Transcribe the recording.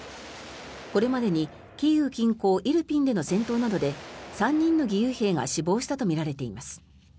これまでにキーウ近郊イルピンでの戦闘などで、３人の義勇兵が死亡したとみられています。